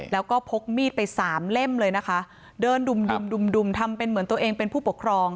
แล้วก็พกมีดไปสามเล่มเลยนะคะเดินดุ่มดุมดุมทำเป็นเหมือนตัวเองเป็นผู้ปกครอง